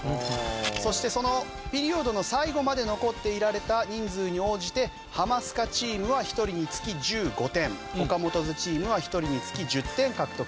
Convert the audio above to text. そしてそのピリオドの最後まで残っていられた人数に応じてハマスカチームは１人につき１５点ＯＫＡＭＯＴＯ’Ｓチームは１人につき１０点獲得となります。